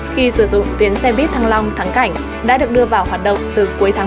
khi sử dụng tuyến xe buýt thăng long thắng cảnh đã được đưa vào hoạt động từ cuối tháng một mươi một